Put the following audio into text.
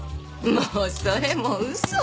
もうそれも嘘。